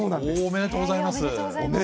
おめでとうございます。